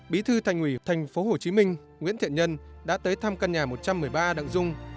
bí thư thành ủy thành phố hồ chí minh nguyễn thiện nhân đã tới thăm căn nhà một trăm một mươi ba đặng dung